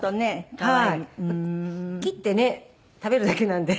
切ってね食べるだけなんで。